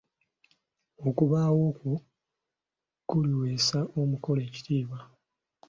Okubaawo kwo kuliweesa omukolo ekitiibwa.